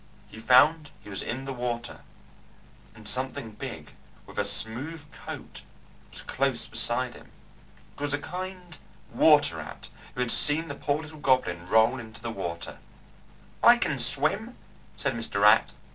he found he was in the water, and something big with a smooth coat was close beside him. It was a kind water rat who had seen the poor little goblin roll into the water. "I can swim," said Mr. Rat.